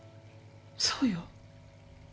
そうよ。